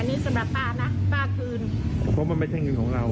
อันนี้สำหรับป้านะป้าคืนเพราะมันไม่ใช่เงินของเรา